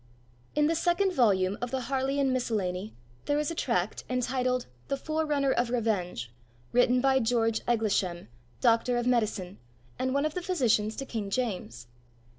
In the second volume of the Harleian Miscellany, there is a tract, entitled the Forerunner of Revenge, written by George Eglisham, doctor of medicine, and one of the physicians to King James.